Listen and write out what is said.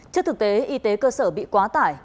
trước thực tế y tế cơ sở bị quá tải